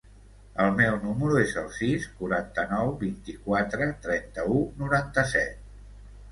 El meu número es el sis, quaranta-nou, vint-i-quatre, trenta-u, noranta-set.